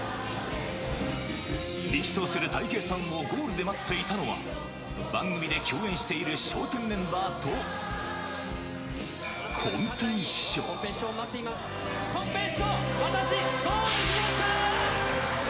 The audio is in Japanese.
力走するたい平さんをゴールで待っていたのは、番組で共演している笑点メンバーと、こん平師匠、私ゴールしました！